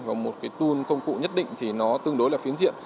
và một tool công cụ nhất định thì nó tương đối là phiến diện